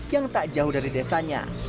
yang tak jauh dari desanya